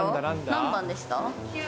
何番でした？